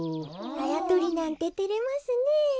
あやとりなんててれますねえ。